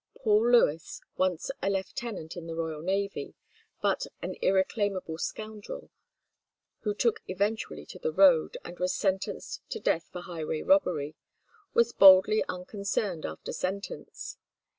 Paul Lewis, once a lieutenant in the royal navy, but an irreclaimable scoundrel, who took eventually to the road, and was sentenced to death for highway robbery, was boldly unconcerned after sentence.